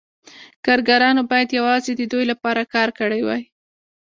کارګرانو باید یوازې د دوی لپاره کار کړی وای